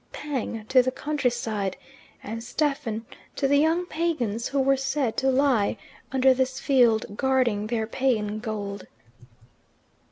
pang!" to the countryside, and Stephen to the young pagans who were said to lie under this field guarding their pagan gold.